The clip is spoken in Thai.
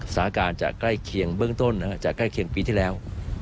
สถานการณ์จะใกล้เคียงเบื้องต้นจากใกล้เคียงปีที่แล้ว